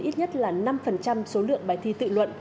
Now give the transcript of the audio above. ít nhất là năm số lượng bài thi tự luận